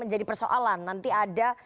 menjadi persoalan nanti ada